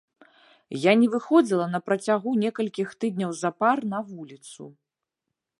Я не выходзіла на працягу некалькіх тыдняў запар на вуліцу.